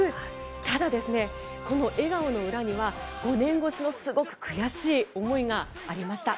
ただですね、この笑顔の裏には５年越しのすごく悔しい思いがありました。